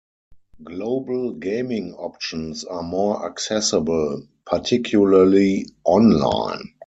Global gaming options are more accessible - particularly online.